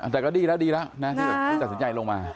แต่ก็ดีแล้วดีแล้วจัดสินใจลงมา